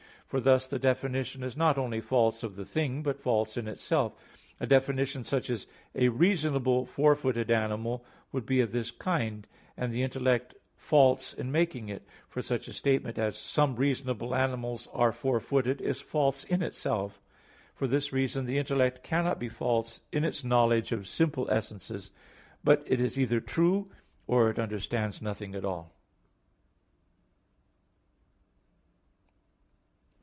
For thus the definition is not only false of the thing, but false in itself. A definition such as "a reasonable four footed animal" would be of this kind, and the intellect false in making it; for such a statement as "some reasonable animals are four footed" is false in itself. For this reason the intellect cannot be false in its knowledge of simple essences; but it is either true, or it understands nothing at all.